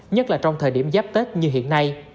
nhất là trong thời điểm giáp tết như hiện nay